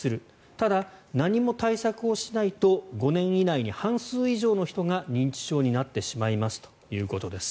ただ、何も対策をしないと５年以内に半数以上の人が認知症になってしまいますということです。